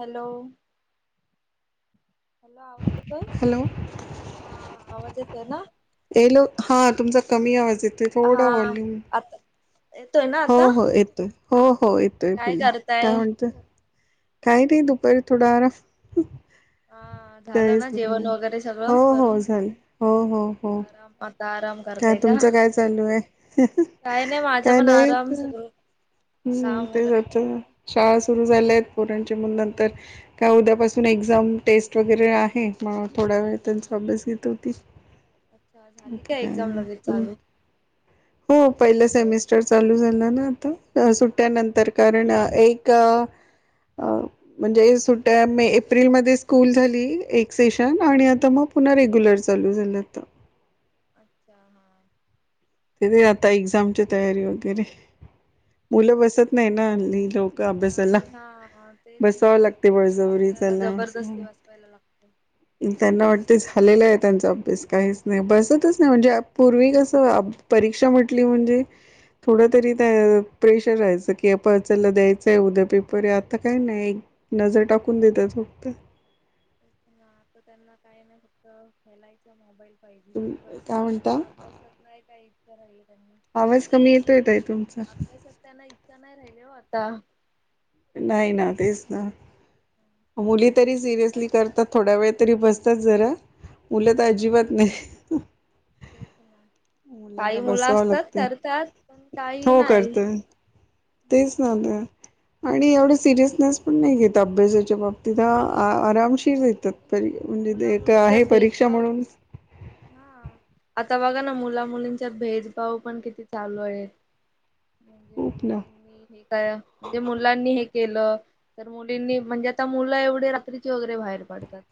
Hello hello आवाज येतो hello ह, आवाज येत ना? येलो हा तुमचा कमी आवाज येतोय थोडा हा व्हॉल्यूम आता येतोय ना आता? हो हो. येतोय काय फुल्ल काय करताय म्हणतोय? काही नाही दुप पर थोडा आराम हा झालं काहीच ना जेवण नाही, वगैरे हो सगळं हो करून झाले. हो हो हो. आराम आता आराम काय करताय का तुमचं काय चालू हाय? काय नाही माझं काय पण नाही आराम सगळं हम्म काम ते वगैरे रोजच्या केलं. शाळा सुरु झाल्या आहेत, पोरांच्या म नंतर हो त्या उद्यापासून पुन्हा एक्झाम टेस्ट वगैरे आहे, म थोडा वेळ त्यांचा अभ्यास घेत होती. अच्छा झाली बाकी का काही एक्झाम नाइ लगेच आणि? चालू हो टेस्ट पहिलं चालू आहे सेमिस्टर चालू झा ल ना अ आता हा सुट्यानंतर कारण एक अ म्हणजे सुट्टया मे एप्रिल मध्ये, स्कूल झाली एक सेशन आणि आता म पुन्हा रेग्युलर चालू झालं आता. अच्छा हा. तेथे आता एक्झामची तयारी वगैरे मुलं बसत नाही ना लइ लवक अभ्यासाला नाही हा तेच ना बसावं लागते बळजबरी आपल्याला त्यांला. जबरदस्ती बसवायला लागते. त्यांना वाटत झालेलं आहे, त्यांचा अभ्यास काहीच नाही बसतच नाही म्हणजे अ पूर्वी कसं अ परीक्षा म्हटली म्हणजे थोडं तरी ते प्रेशर राहायचं की, आप चला द्यायचंय उद्या पेपरये आता काही नाही. नजर टाकून देतात फक्त. तेच ना आता त्यांना काय नाही, फक्त खेलायचं मोबाईल पाहिजे बस काय म्हणता अभ्यासात नाही काही करायले त्यांनी आवाज कमी येतोय ताई तुमचा अभ्यासात त्यांना इच्छा नाही राहिली हो, आता. नाही ना, तेच ना, मुली तरी आता सिरियसली करतात थोड्या वेळ तरी बसतात जरा मुलं तर अजिबात हो नाही. तेच ना. मुलांना काही मुलं बसवावं असतात लागतं करतात, पण काही हो नाही. करतय तेच ना हम्म ना आणि एवढं सिरियसनेस पण नाही घेत अभ्यासा च्या बाबतीत आ आ नाही त्याच्या आरामशीर आता बघा मुला [unintelligible] मुलींच्यात आहे परीक्षा भेदभाव म्हणून हा. आता बघा ना मुला, मुलींच्यात भेदभाव पण किती चालू आहेत. म्हणजे खूप ना मुलींनी हे काय? म्हणजे मुलांनी हे केलं तर मुलींनी म्हणजे आ ता मुलं एवढी रात्रीची वगैरे बाहेर पडतात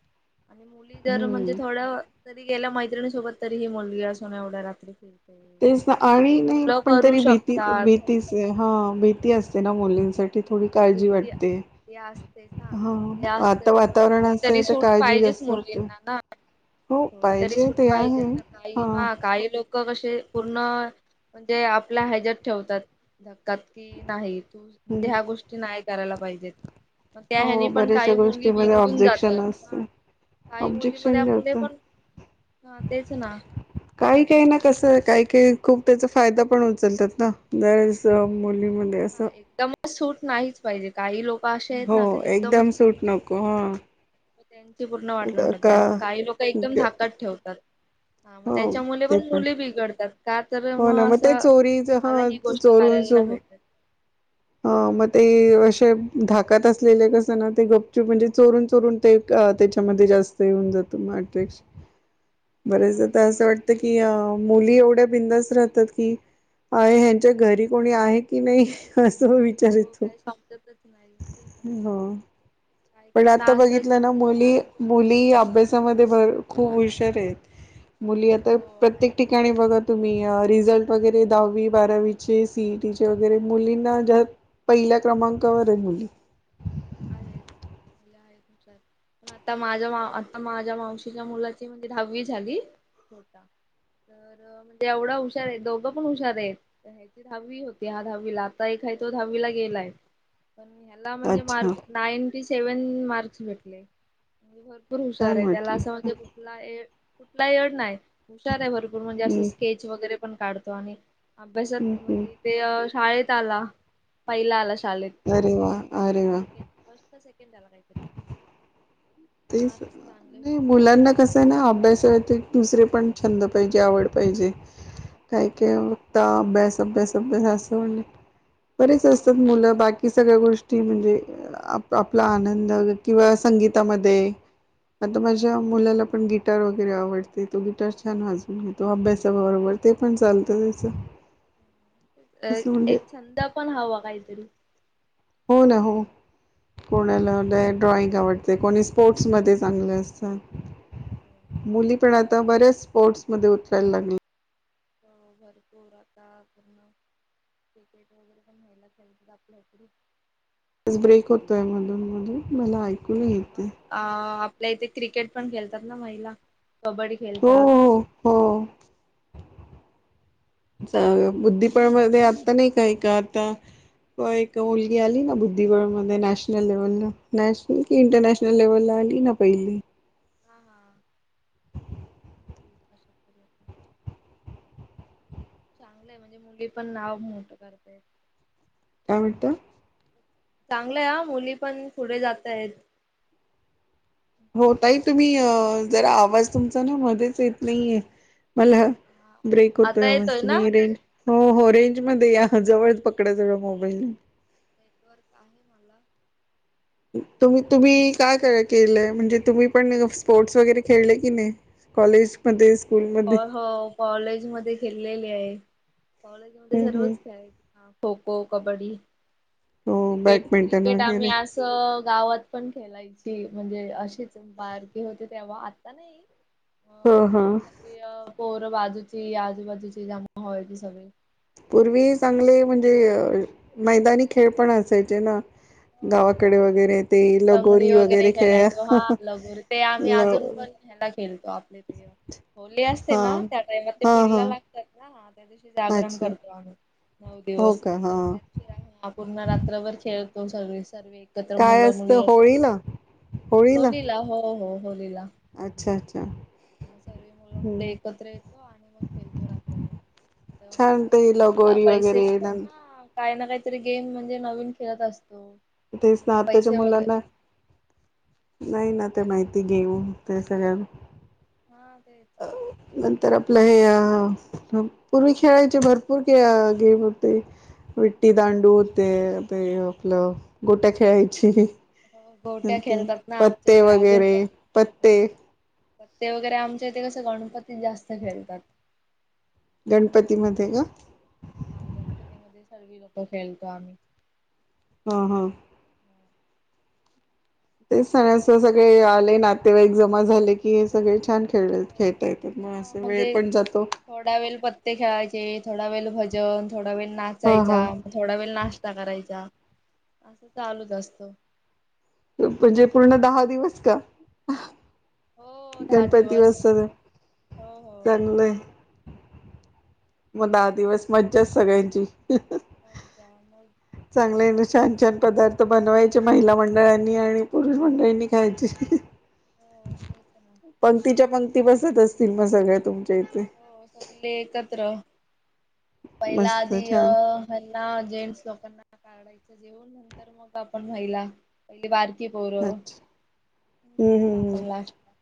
आणि मुली जर म्हणजे हम्म थोडं तरी गेल्या मैत्रिणी सोबत तरी ही मुलगी असून, एवढ्या रात्री फिर तेच ना आणि नाही पण तरी भीती, शकतात. भीतीचं हा भीती असते ना हा मुलींसाठ ती थोडी काळजी भूती वाटते. ते असते हा ते आता असतेच पण वातावरण थोडी असं आहे तरी तर सूट काळजी पाहिजेच जास्त वाटते मुलींना ना हो थोडी तरी पाहिजे सुट ते पाहिजे आहे ना हा काहीना काही लोक कप बशी पूर्ण म्हणजे आपल्या ह्याजात ठेवतात. ध तात की नाही तु म्हणजे हं. हया गोष्टी नाही करायला पाहिजेत. मग त्या हो ह्यानी पण बऱ्याचशा काही मुली गोष्टीमध्ये बिघडून ऑब्जेक्शन जातात ना. असते काही मुली ऑब्जेक्शन मध्ये मुले ठेवतात पण हा तेच ना काही काही ना त्याच्यामुळे कसं काय काय खूप त्याचा फायदा पण उचलतात ना गरेस मुलीमध्ये हा असं एकदमच सूट नाहीच पाहिजे काही लोक अशे आहेत हो ना काही एकदमच एकदम सूट पूर्ण नको हा [inaudible] त्यांची पूर्ण वाट लावून का टाकते का आणि मग काही लोक एकदम धाकात ठेवतात. हा मग हो त्याच्या मुले ते पण मुली बिघडतात. का तर हो ना मग ते असं चोरीच ह मला ही गोष्ट चोरून करायला चोर भेटते. ह मग ते ना. अशे धाकत असते केल कस ना ते गपचूप म्हणजे चोरून चोरून ते अ त्याच्यामध्ये जास्त हे हून जात [inaudible] त्यांना पण बरेचदा असं थोडं वाटते की मुली एवढ्या भिन्नस राहतात की [inaudible] ह्यांच्ये घरी कोणी आहे की नाही अस विचार हो येतो काही समजतच नाही तेच ना. हो. काय पण कायना आता असं की बघितलं ना म्हणजे थोडा मुली मुली अभ्यासामध्ये भर खूप हुशार आहेत मुली आता हो प्रत्येक आहेत ठिकाणी बघा तुम्ही या रिझल्ट वगैरे दहावी बारावीचे सी ई टी चे वगैरे मुलींना ज्या पहिल्या क्रमांकावर हाय मुली आहे. आता माझ्या मा आता माझ्या मावशीच्या मुलाची म्हणजे दहावी झाली. चो नोटा तर म एवढा हुशार आहेत दोघं पण हुशार आहेत दहावी होत्या दहावीला आता एक नाही तो दहावी ला गेलाय पण ह्याला म्हणजे अच्छा mark ninety seven marks भेटले म्हणजे भर भरपूर हुशार छान आहे त्याला वाटलं असं म्हणजे कुठला येड कुठला येड नाय. हुशार आहे भरपूर म्हणजे असं हम्म स्केच वगैरे पण काढतो आणि हम्म अभ्यासात हम्म [inaudible] ते शाळेत आला पहिला आला. अरे वा! अरे वा! पण सेकंड आला काही तरी तेच नाही मुलांना कसं ना अभ्यासाव्यतिरिक्त दुसरे पण छंद पाहिजे आवड पाहिजे काय काय फक्त अभ्यास अभ्यास अभ्यास अस म्हणजे बरेच एकदम असतात अभ्यास मुलं पण बाकी सगळ गोष्टी म्हणजे अ आप आपला आनंद किंवा संगीतामध्ये आता माझ्या हा मुलाला पण गीत गिटार वगैरे आवडते तो गिटार छान वाजून घेतो अभ्यासा बरोबर ते पण चालतय त्याच ए एक छंद पण हवा काही तरी हो ना हो. कोणाला [inaudible] ड्रॉइंग आवडते कोणी स्पोर्टस मध्ये चांगले असतात मुली पण आता बऱ्याच स्पोर्टस मध्ये उतरायला लागल्या. हो भरपूर आता पण क्रिकेट वगैरे पण व्हायला [inaudible] [inaudible] ब्रेक कबड्डी होतोय खेळतात. मधून मधून मला ऐकू येते. आपल्याला इथे क्रिकेट पण खेलतात ना महिला कबड्डी हो खेलतात. हो हो [inaudible] चा बुद्धिबळ मध्ये आता नाही काय का एक आता होय एक मुलगी आली ना बुद्धिबळ मध्ये नॅशनल लेव्हलला नॅशनल कि इंटर हा नॅशनल लेव्हलला आली ना पहिली हा. [inaudible] चांगलंय म्हणजे मुली पण नाव मोठं करते. काय म्हणता? चांगलंय ह, मुली पण पुढे जात आहेत. हो ताई, तुम्ही अ जरा आवाज तुमचा ना मध्येच येत नाहीये मला ब्रेक होतोय आता आवाज येतोय ना? तुमी रेंज हो, हो रेंज मध्ये या. ह जवळच पकडा जवळ मोबाईल नेटवर्क आहे मला. त तुमी तुम्ही काय काय केलयं, म्हणजे तुम्ही पण स्पोर्ट्स वगैरे खेळले की नाही? कॉलेज हो कॉलेज मध्ये खेलेली आहे. कॉलेज मध्ये हम्म हम्म सर्वच खेळायचा खो खो, कबड्डी. हो क्रिकेट, बॅडमिंटन क्रिकेट आम्ही वगैरे असं गावात पण खेलायची म्हणजे अशीच बारकी होते तेव्हा, आता नाही. अ हं हा. म्हणजे सगळी अ पोरं बाजूची आजूबाजूची जमा व्हायची सगळे. पूर्वी चांगले म्हणजे अ मैदानी खेळ पण असायचे ना? हो हो गावाकडे भरपूर वगैरे ते लंगडी लगोरी वगैरे खेळ खेळायचो हा लगोरी ते आम्ही ल अजून पण ह्याला खेळतो आपले ते, होली असते हा ना त्या टाइमात ते हा पिल्लं हा लागतात ना त्या दिवशी जागरण अच्छा करतो आम्ही नऊ हो दिवस का हा [unintelligible] पूर्ण रात्रभर खेळ तो सगळीच. सर्वे एकत्र काय मुलं मुली असतं येतात, होळीला होळीला होलीला हो हो होलीला. अच्छा अच्छा ह सर्वे मुलं मुली हम्म एकत्र येतो आणि मग खेलतो रात्रभर. त्यामुळं छान मस्त, ते म्हणजे काय लगोरी पैसे, वगैरे न हा, काही ना काहीतरी गेम म्हणजे नवीन खेळत अस तेच ना आताच्या मुलांना, नाही ना ते काय माहिती म्हणतात गेम ते सगळं. हा तेच. नंतर आपलं हे अ पूर्वी खेळायचे भरपूर गेम होते. विट्टी दांडू होते ते आपलं गोट्या खेळायची. हो गोट्या नंतर खेलतात ना आमच्या पत्ते इकडे अजून वगैरे पण. पत्ते पत्ते वगैरे आमच्या इथे कसं गणपती जास्त खेळतात. गणपतीमध्ये का? हा गणपती मध्ये सगळी लोक खेळतो आम्ही. हा हा. तेच सगळी सगळ्यांचे एकत्र सगळे आले नातेवाईक जमा झाले की, हे सगळे छान खेळ खेळता येतात मग अस वेळ म्हणजे, पण जातो थोडा वेल पत्ते खेळायचे थोडा वेळ भज जन थोडा वेळ हा नाचायचा, हा थोडा वेळ नाश्ता करायचा. असं चालूच असत. म्हणजे पूर्ण दहा दिवस का? हो दहा गणपती दिवस [unintelligible] हो हो चांगलंय. मग दहा दिवस मज्जात सगळ्यांची. मज्जा मग चांगल्याने छान छान! पदार्थ बनवायचे महिला मंडळांनी आणि पुरुष मंडळींनी खायचे. हो तेच ना पंक्तीच्या पंक्ती बसत असतील मग सगळ्या तुम हो, सगळे एकत्र पहिला मस्त आधी छान हेना जेंट्स लोकांना वाढायचे. जेवून नंतर मग आपण महिला पहि बार बारकी पोर अच्छा नंतर हम्म मग हम्म हम् आपण लास्ट ला.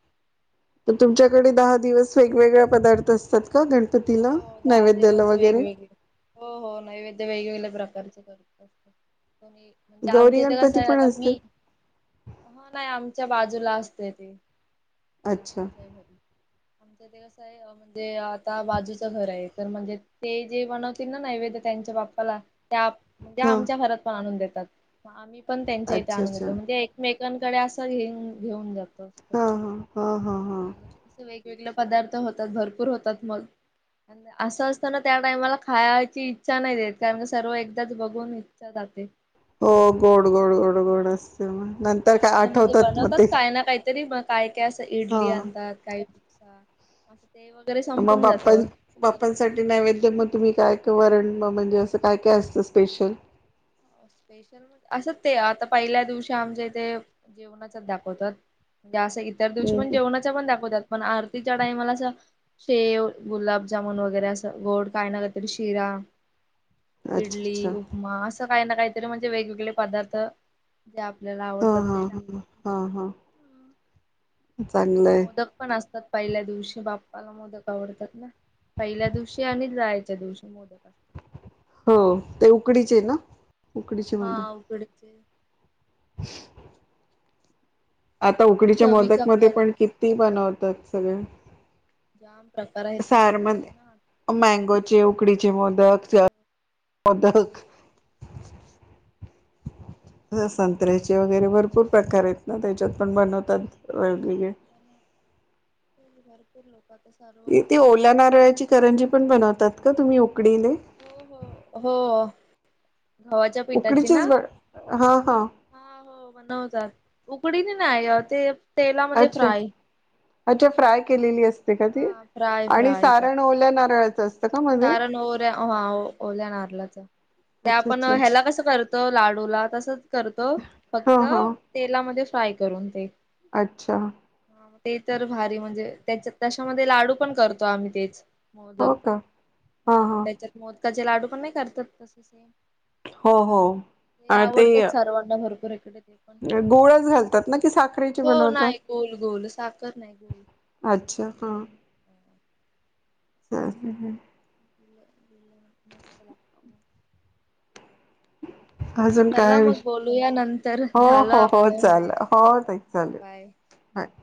तर तुमच्याकडे दहा दिवस वेगवेगळ्या पदार्थ असतात? का गणपतीला हो, दहा नैवेद्याला दिवस वगैरे वेगवेगळे हो हो नैवेद्य वेगवेगळ्या प्रकारचे. करत असतात. म्हणे-म्हणजे गौरी आमच्या इथे कसं गणपती आहे, पण आता असते मी हा नाही आमच्या च्या बाजूला असतय, ते अच्छा काकाच्या घरी. आमच्या इथं कसंय? अ म्हणजे आता बाजूचं घर आहे तर म्हणजे ते जे बनवतील ना नैवेद्य त्यांच्या बाप्पाला त्या म्हणजे हा आमच्या घरात पण आणून देतात, मग आम्ही पण त्यांच्या इथे अच्छा आणून अच्छा देतो, म्हणजे एकमेक कांकडे असं हे घेऊन जात हा हा हा हा हा. वेगलं पदार्थ होतात भरपूर होतात मग. अन असं असताना त्या टाइमाला खायाची इच्छा नाही देत, कारण का सर्व एकदाच बघून इच्छा जाते. हो गोड गोड गोड गोड असते मग, नंतर काय आठवतात मग ते. तरी मग काय काय असं हा इडली आणतात काही डोसा अस मग बाप्पा बाप्पांसाठी नैवेद्य मग तुम्ही काय वरण म म्हणजे असं काय काय असतं स्पेशल? अ स्पेशल म्ह असं ते आता पहिल्या दिवशी आमच्या इथे जेवणाचाच दाखवतात. म्हणजे असं इतर दिवशी पण हम्म. जेवणाचं पण दाखवतात. पण आरतीच्या टाईमाला असं शेव, गुलाबजामुन वगैरे असं गोड काय ना काहीतरी शिरा. अच्छा अच्छा इडली, उपमा असं काही ना काहीतरी म्हणजे वेगवेगळे पदार्थ त्या आपल्याला हा आवडतात ते हा हा दाखवतात. हा हा चांगलं आहे मोदक पण असतात पहिल्या दिवशी बाप् पाला मोदक आवडत्यात ना? पहिल्या दिवशी आणि जायच्या दिवशी मोदक असतात हो ते उकडीचे ना? उकडीचे हा मोदक उकडीचे. [unintelligible] आता परत उकडीच्या चवीच्या मोदक मध्ये करून पण किती बनवतात सगळं. जाम. प्रकार आहेत सार त्याच्यात मध पण ना मँगोचे, उकडीचे मोदक. मोदक. संत्र्याचे वगैरे भरपूर प्रकार आहेत ना त्याच्यात पण बनवतात. वेग ठीक आहे. भरपूर लोक आता सर्व ती गोष्टी ओल्या नारळाची करंजी पण बनवतात का तुम्ही ऊ हो हो हो. गव्हाच्या पिठाची ना? उकडीचीच ब हा हा बनवतात. उकडीने नाही ते तेलामध्ये अच्छा फ्राय अच्छा फ्राय केलेली असते का ती? हा फ्राय आणि फ्राय सारण करतात ओल्या नारळाचं असतं. का मध्ये सारण ओऱ्या हा ओल्या नारलाचं. ते अच्छा आपण अच्छा ह्याला कसं करतो लाडूला तसचं करतो. हा फक्त हा तेलामध्ये फ्राय करून ते. अच्छा. ते तर भारी म्हणजे त्याचा तश्यामध्ये लाडू पण करतो आम्ही तेच मोदक. हो का हा त्याच्यात मोदकाचे लाडू पण नाही करतात तसं सेम. हो हो ते आवडतात सर्वांना भरपूर इकडे ते पण गुळच घालतात ना, कि साखरेची हो बनवतात? नाही गोल गोल साखर नाही गोल अच्छा हां. [inaudible] हुं. [inaudible] मस्त लागतं. अजून चला काय मग विषय? बोलूया नंतर झालं हो-हो-हो आपलं चाल, हो ताई चालेल. बाय पत